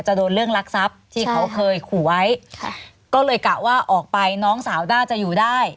โดนเรื่องรักทรัพย์ที่เขาเคยขู่ไว้ค่ะก็เลยกะว่าออกไปน้องสาวน่าจะอยู่ได้